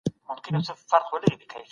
اسناد باید په پوره روڼتیا سره خپاره سی.